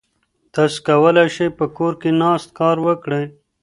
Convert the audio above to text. تاسو کولای شئ په کور کې ناست کار وکړئ.